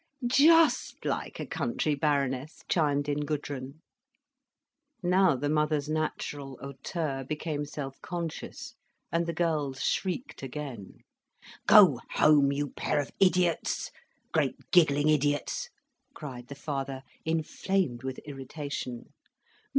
"Just like a country Baroness!" chimed in Gudrun. Now the mother's natural hauteur became self conscious, and the girls shrieked again. "Go home, you pair of idiots, great giggling idiots!" cried the father inflamed with irritation.